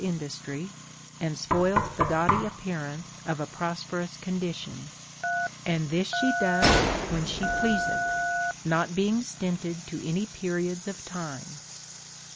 305 industry, and spoils the gaudy appearance of a prosperous condition ; and this she doth when she pleaseth, not being stinted to any periods of time.